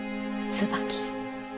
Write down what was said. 椿。